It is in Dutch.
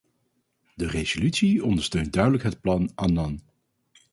De resolutie ondersteunt duidelijk het plan-Annan.